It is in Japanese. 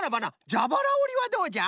じゃばらおりはどうじゃ？